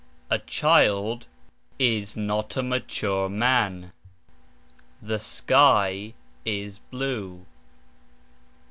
A child is not a mature man. The sky is blue.